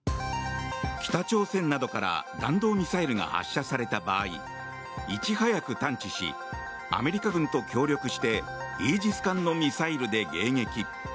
北朝鮮などから弾道ミサイルが発射された場合いち早く探知しアメリカ軍と協力してイージス艦のミサイルで迎撃。